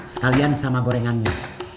setalian sama gorengannya